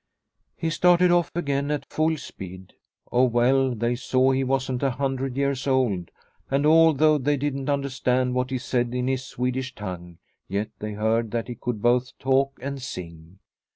He started off again at full speed. Oh well, they saw he wasn't a hundred years old, and although they didn't understand what he said in his Swedish tongue, yet they heard that he could both talk and sing.